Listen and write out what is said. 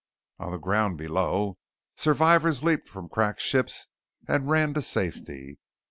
On the ground below, survivors leaped from cracked ships and raced to safety.